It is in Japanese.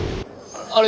あれ？